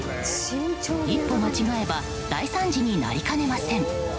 一歩間違えば大惨事になりかねません。